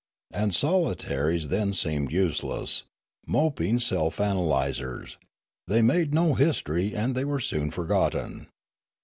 And solitaries then seemed useless, moping self analysers; they made no history and they were soon forgotten.